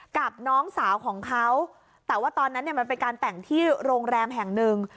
กับน้องสาวของเขาแต่ว่าตอนนั้นเนี่ยมันเป็นการแต่งที่โรงแรมแห่งหนึ่ง